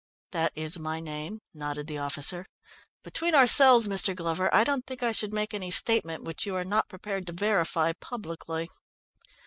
"That is my name," nodded the officer. "Between ourselves, Mr. Glover, I don't think I should make any statement which you are not prepared to verify publicly."